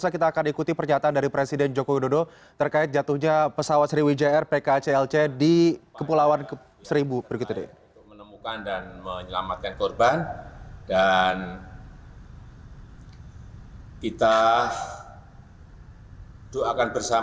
kita akan ikuti pernyataan dari presiden joko widodo terkait jatuhnya pesawat sriwijaya air pkclc di kepulauan seribu